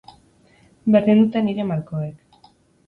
Berdin dute nire malkoek.